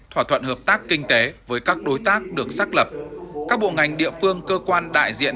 thỏa thuận hợp tác kinh tế với các đối tác được xác lập các bộ ngành địa phương cơ quan đại diện